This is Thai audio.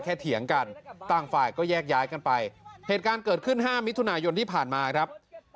เถียงกันต่างฝ่ายก็แยกย้ายกันไปเหตุการณ์เกิดขึ้น๕มิถุนายนที่ผ่านมาครับ